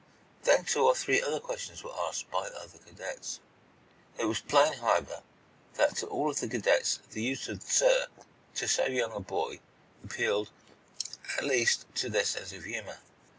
Then two or three other questions were asked by other cadets. It was plain, however, that to all of the cadets the use of "sir" to so young a boy appealed, at least, to their sense of humor.